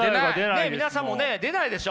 皆さんも出ないでしょ？